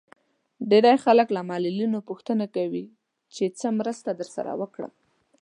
ډېری خلک له معلولينو پوښتنه کوي چې څه مرسته درسره وکړم.